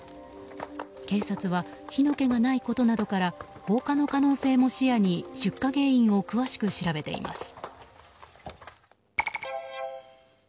警察は火の気がないことなどから放火の可能性も視野に出火原因を詳しく調べています。